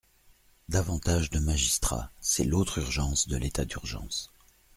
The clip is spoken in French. Davantage de magistrats : c’est l’autre urgence de l’état d’urgence.